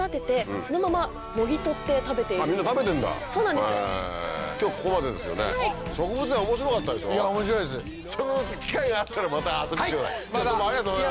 そのうち機会があったらまた遊びに来てください！